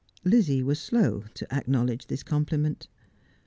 Lizzie was slow to acknowledge this compliment.